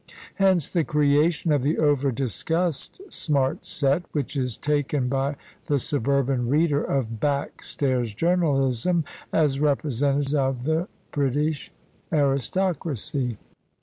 Hence the creation of the over discussed smart set, which is taken by the suburban reader of back stairs journalism as representative of the British aristocracy.